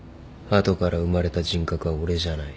後から生まれた人格は俺じゃない。